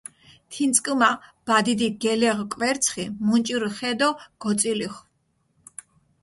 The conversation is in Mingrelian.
თიწკჷმა ბადიდიქ გელეღჷ კვერცხი, მუნჭირჷ ხე დო გოწილიხჷ.